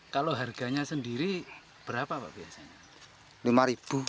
kalau harganya sendiri berapa pak biasanya